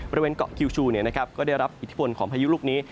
บริเวณเกาะคิวชูก็ได้รับอิทธิพลของพายุลูกนี้